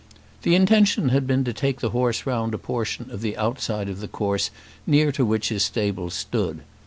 The intention had been to take the horse round a portion of the outside of the course near to which his stable stood.